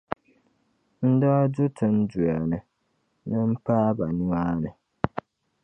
n daa du tin’ duya ni ni m paai ba nimaani.